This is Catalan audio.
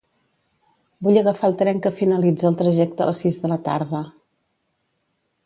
Vull agafar el tren que finalitza el trajecte a les sis de la tarda.